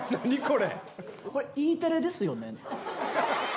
これＥテレですよね？